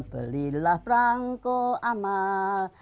belilah perangko amal